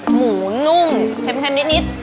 หมูนุ่มเค็มนิด